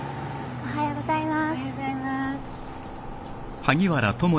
おはようございます。